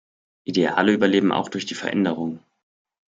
Ideale überleben auch durch die Veränderung.